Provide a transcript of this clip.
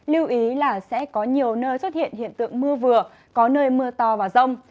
lưu ý là sẽ có nhiều nơi xuất hiện hiện tượng mưa vừa có nơi mưa to và rông